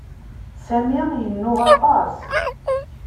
Sami yennuɣ aṭas.